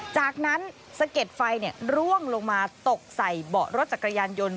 จากนั้นสะเก็ดไฟร่วงลงมาตกใส่เบาะรถจักรยานยนต์